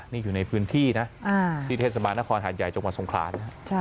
นี่อยู่ในพื้นที่นะที่เทศบาลนครหาดใหญ่จังหวัดสงขลานะ